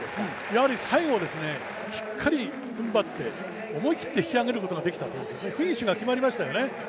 やはり最後ですね、しっかりふんばって思い切って引き上げることができた、フィニッシュが決まりましたよね。